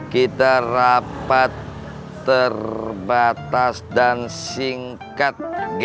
kita rapat terbatas dan singkat